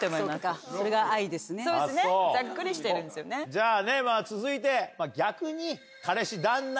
じゃあね続いて逆に。